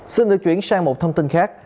xin được chuyển sang một thông tin khác